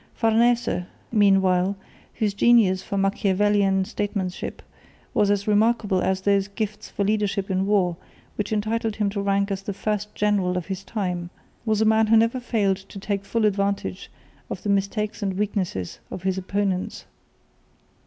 Farnese, meanwhile, whose genius for Machiavellian statesmanship was as remarkable as those gifts for leadership in war which entitled him to rank as the first general of his time, was a man who never failed to take full advantage of the mistakes and weaknesses of his opponents.